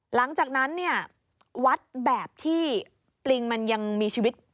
หลังจากนั้นเนี่ยวัดแบบที่ปลิงมันยังมีชีวิต